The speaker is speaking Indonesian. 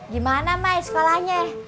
gimana mai sekolahnya